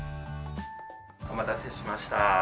お待たせしました。